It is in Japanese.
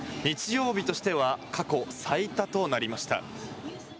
日曜日としては過去最多となりました。